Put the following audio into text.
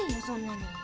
そんなの。